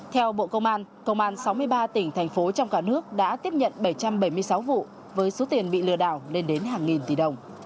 theo bộ công an công an sáu mươi ba tỉnh thành phố trong cả nước đã tiếp nhận bảy trăm bảy mươi sáu vụ với số tiền bị lừa đảo lên đến hàng nghìn tỷ đồng